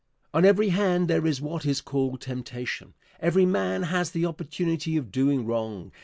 On every hand there is what is called temptation. Every man has the opportunity of doing wrong.